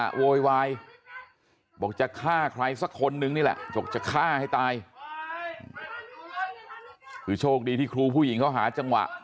โวยวายบอกจะฆ่าใครสักคนนึงนี่แหละบอกจะฆ่าให้ตายคือโชคดีที่ครูผู้หญิงเขาหาจังหวะ